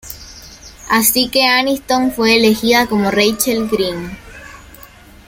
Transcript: Así que Aniston fue elegida como Rachel Green.